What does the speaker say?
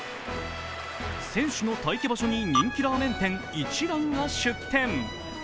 選手の待機場所に人気ラーメン店一蘭が出店。